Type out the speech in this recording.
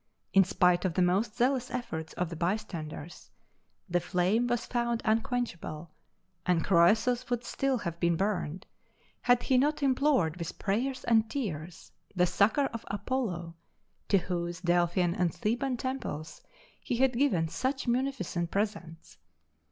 In spite of the most zealous efforts of the bystanders, the flame was found unquenchable, and Croesus would still have been burned, had he not implored with prayers and tears the succor of Apollo, to whose Delphian and Theban temples he had given such munificent presents.